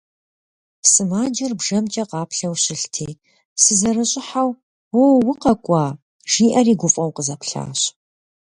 Сымаджэр бжэмкӀэ къаплъэу щылъти, сызэрыщӀыхьэу «Уо, укъэкӀуа!» жиӀэри гуфӀэу къызэплъащ.